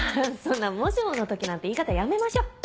そんなもしもの時なんて言い方やめましょ。